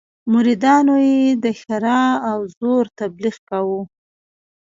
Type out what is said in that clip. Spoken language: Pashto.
مریدانو یې د ښرا او زور تبليغ کاوه.